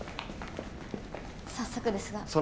早速ですが。